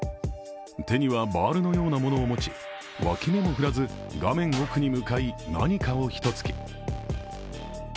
手にはバールのようなものを持ち、脇目も振らず画面奥に向かい何かを一突き。